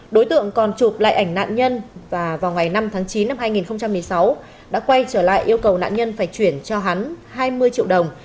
đối tượng còn chụp lại ảnh nạn nhân và vào ngày năm tháng chín năm hai nghìn một mươi sáu đã quay trở lại yêu cầu nạn nhân phải chuyển cho hắn hai mươi triệu đồng